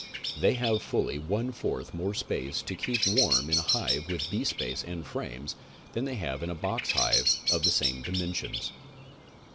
'They have fully one fourth more space to keep warm in a hive with beespace and frames, than they have in a box hive of the same dimensions.